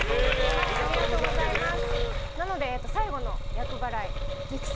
なので、最後の厄払い、激走！